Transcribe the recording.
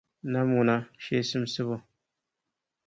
Nam ŋuna, shee simsibu.